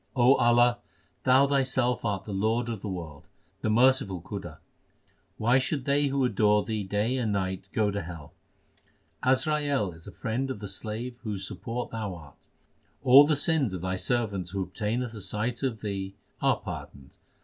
Allah, Thou Thyself art the Lord of the world, the merciful Khuda. 2 Why should they who adore Thee day and night go to hell? Azrail is a friend of the slave whose support Thou art. All the sins of Thy servant who obtaineth a sight of Thee, are pardoned.